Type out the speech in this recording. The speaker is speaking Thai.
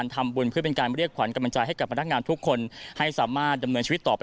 ทำอะไรอย่างนี้